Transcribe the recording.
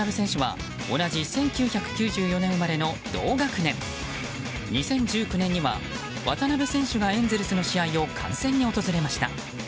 大谷選手と渡邊選手は同じ１９９４年生まれの同学年。２０１９年には渡邊選手がエンゼルスの試合を観戦に訪れました。